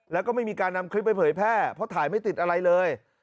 แล้วก็ไม่มีการนำคลิปไปเผยแพร่เพราะถ่ายไม่ติดอะไรเลย